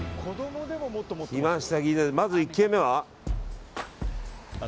まず１軒目は。